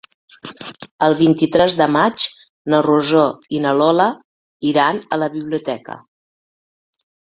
El vint-i-tres de maig na Rosó i na Lola iran a la biblioteca.